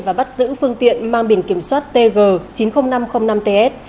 và bắt giữ phương tiện mang biển kiểm soát tg chín mươi nghìn năm trăm linh năm ts